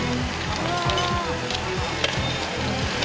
うわ。